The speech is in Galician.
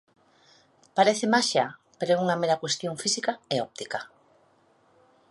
Parece maxia, pero é unha mera cuestión física e óptica.